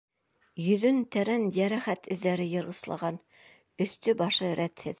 Йөҙөн тәрән йәрәхәт эҙҙәре йырғыслаған, өҫтө-башы рәтһеҙ.